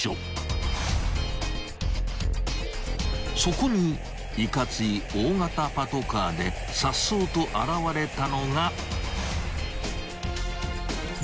［そこにいかつい大型パトカーでさっそうと現れたのが］